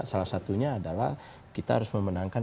salah satunya adalah kita harus memenangkan